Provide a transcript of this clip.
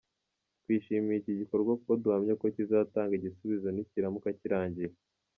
twishimiye iki gikorwa kuko duhamya ko kizatanga igisubizo nikiramuka kirangiye.